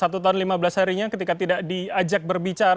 satu tahun lima belas harinya ketika tidak diajak berbicara